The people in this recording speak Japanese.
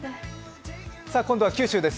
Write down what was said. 今度は九州です。